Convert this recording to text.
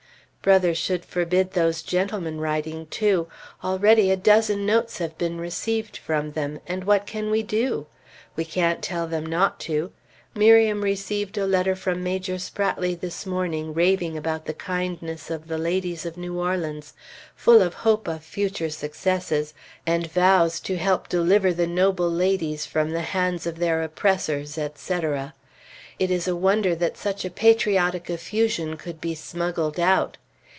Brother should forbid those gentlemen writing, too. Already a dozen notes have been received from them, and what can we do? We can't tell them not to. Miriam received a letter from Major Spratley this morning, raving about the kindness of the ladies of New Orleans, full of hope of future successes, and vows to help deliver the noble ladies from the hands of their oppressors, etc. It is a wonder that such a patriotic effusion could be smuggled out.